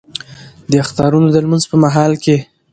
د اخترونو د لمونځ په مهال کې